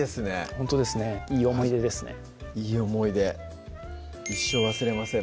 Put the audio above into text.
ほんとですねいい思い出ですねいい思い出一生忘れません